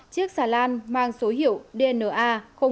chiếc xà lan mang số hiệu dna